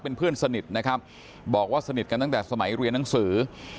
เป็นเพื่อนสนิทนะครับบอกว่าสนิทกันตั้งแต่สมัยเรียนหนังสือ